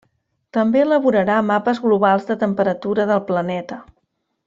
També elaborarà mapes globals de temperatura del planeta.